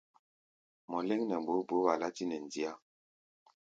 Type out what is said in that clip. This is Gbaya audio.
Mɔ léŋ nɛ gboó gboó, wa látí nɛ ndíá.